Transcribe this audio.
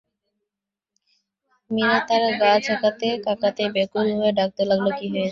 মীরা তাঁর গা ঝাঁকাতে-কাকাতে ব্যাকুল হয়ে ডাকতে লাগলেন, কী হয়েছে?